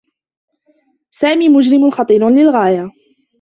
سامي مجرم خطير للغاية.